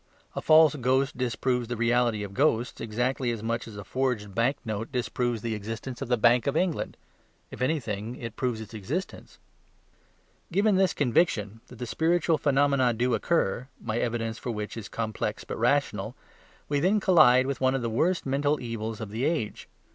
A false ghost disproves the reality of ghosts exactly as much as a forged banknote disproves the existence of the Bank of England if anything, it proves its existence. Given this conviction that the spiritual phenomena do occur (my evidence for which is complex but rational), we then collide with one of the worst mental evils of the age.